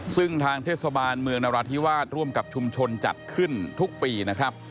ซึ่งทางเทศบาลเมืองนราธิวาสร่วมกับชุมชนจัดขึ้นทุกปีนะครับ